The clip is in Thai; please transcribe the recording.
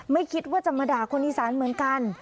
ไม่คิดว่าจะมาด่าคนอีสานเหมือนกัน